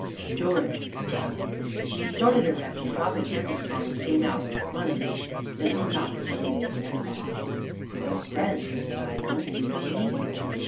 "George!" said I. He started erect, and, dropping hammer and tongs, came out, running, then stopped suddenly, as one abashed. "Oh, friend!" said I, "don't you know me?"